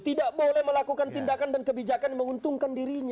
tidak boleh melakukan tindakan dan kebijakan yang menguntungkan dirinya